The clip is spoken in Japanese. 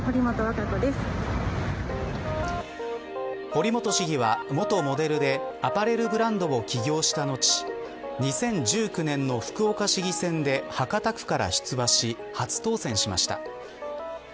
堀本市議は元モデルでアパレルブランドを企業した後２０１９年の福岡市議選で博多区から出馬し初当選しました。